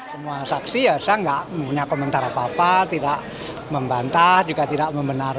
semua saksi ya saya nggak punya komentar apa apa tidak membantah juga tidak membenarkan